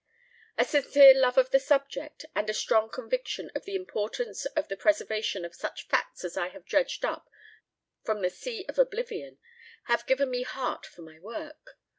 A sincere love of the subject, and a strong conviction of the importance of the preservation of such facts as I have dredged up from the Sea of Oblivion, have given me heart for my work.